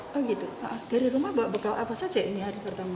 oh gitu dari rumah bekal apa saja